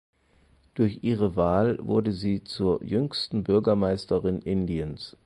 Durch ihre Wahl wurde sie zur jüngsten Bürgermeisterin Indiens.